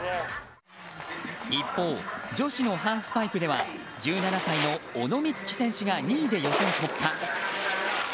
一方、女子のハーフパイプでは１７歳の小野光希選手が２位で予選突破。